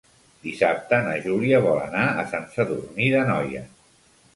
Dissabte na Júlia vol anar a Sant Sadurní d'Anoia.